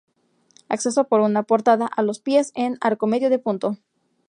Acceso por una portada, a los pies, en arco de medio punto.